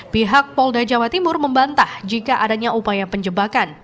pihak polda jawa timur membantah jika adanya upaya penjebakan